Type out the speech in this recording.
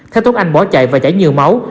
theo tốn anh bỏ chạy và chảy nhiều máu